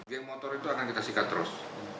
geng motor itu akan kita sikat terus